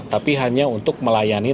tapi hanya untuk melayani